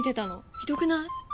ひどくない？